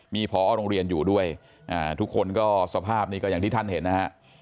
มีพอโรงเรียนอยู่ด้วยทุกคนก็สภาพนี้ก็อย่างที่ท่านเห็นนะฮะ